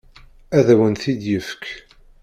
Ad awen-t-id-ifek.